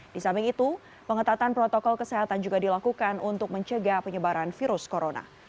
di samping itu pengetatan protokol kesehatan juga dilakukan untuk mencegah penyebaran virus corona